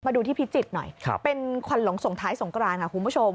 ดูที่พิจิตรหน่อยเป็นควันหลงส่งท้ายสงกรานค่ะคุณผู้ชม